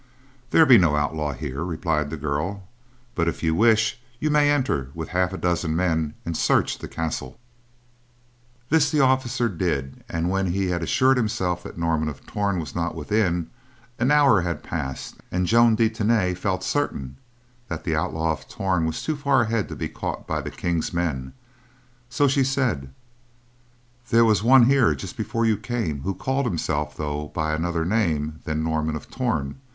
"There be no outlaw here," replied the girl, "but, if you wish, you may enter with half a dozen men and search the castle." This the officer did and, when he had assured himself that Norman of Torn was not within, an hour had passed, and Joan de Tany felt certain that the Outlaw of Torn was too far ahead to be caught by the King's men; so she said: "There was one here just before you came who called himself though by another name than Norman of Torn.